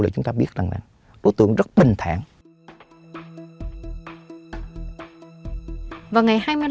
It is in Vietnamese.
chỉ sau bốn mươi tám giờ